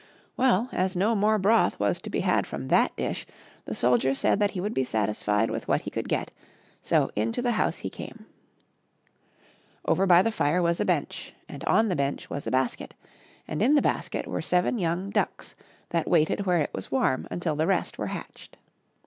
Well, as no more broth was to be had from that dish, the soldier said that he would be satisfied with what he could get : so into the house he came. Over by the fire was a bench, and on the bench was a basket, and in the 30 HOW ONE TURNED HIS TROUBLE TO SOME ACCOUNT. basket were seven young ducks that waited where it was warm until the rest were hatched.